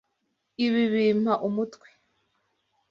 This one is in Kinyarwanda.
Ibi bimpa umutwe!